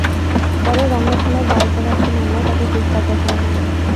পরে রমনা থানায় দায়ের করা একটি মামলায় তাঁকে গ্রেপ্তার দেখানো হয়।